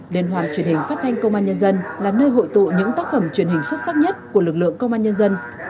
đền hoàn truyền hình phát thanh công an nhân dân là nơi hội tụ những tác phẩm truyền hình xuất sắc nhất của lực lượng công an nhân dân